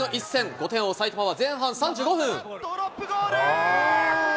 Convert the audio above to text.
５点を追う埼玉は、前半３５分。